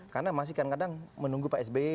karena masih kadang kadang menunggu pak sby itu ya kan